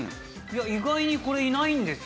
意外にこれいないんですよね